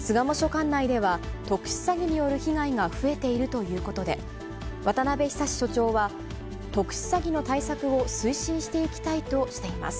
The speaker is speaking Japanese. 管内では特殊詐欺による被害が増えているということで、渡辺寿署長は、特殊詐欺の対策を推進していきたいとしています。